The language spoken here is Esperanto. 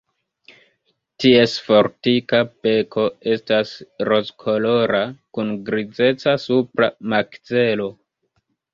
Ties fortika beko estas rozkolora kun grizeca supra makzelo.